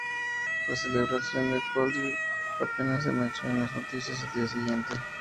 La celebración de Coolidge apenas se menciona en las noticias al día siguiente.